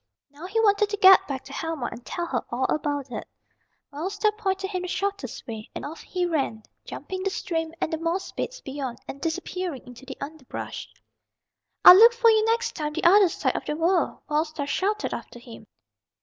Now he wanted to get back to Helma and tell her all about it. Wild Star pointed him the shortest way, and off he ran, jumping the stream and the moss beds beyond, and disappearing into the underbrush. "I'll look for you next time the other side of the world!" Wild Star shouted after him.